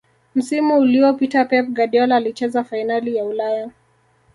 msimu uliopita pep guardiola alicheza fainali ya Ulaya